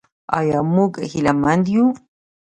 آیا موږ هیله مند یو؟